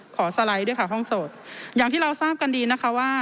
สไลด์ด้วยค่ะห้องโสดอย่างที่เราทราบกันดีนะคะว่า